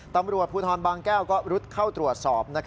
ตำรวจภูทรบางแก้วก็รุดเข้าตรวจสอบ